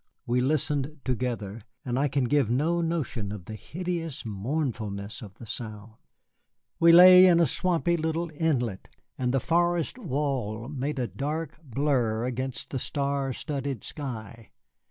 We listened together, and I can give no notion of the hideous mournfulness of the sound. We lay in a swampy little inlet, and the forest wall made a dark blur against the star studded sky.